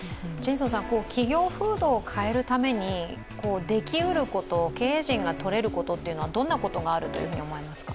企業風土を変えるためにできうること、経営陣が取れることはどんなことがあると思いますか？